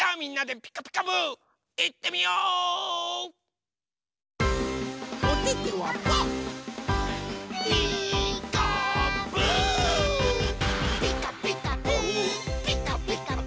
「ピカピカブ！ピカピカブ！」